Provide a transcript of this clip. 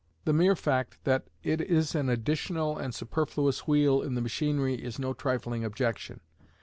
The mere fact that it is an additional and superfluous wheel in the machinery is no trifling objection.